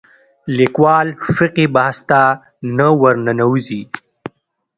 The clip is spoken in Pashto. لیکوال فقهي بحث ته نه ورننوځي